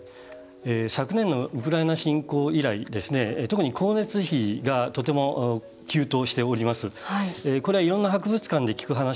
昨年のウクライナ侵攻以来特に光熱費がとても急騰しています。